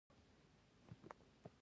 د هغه خبرې له ټوکو ټکالو سره ملې وې.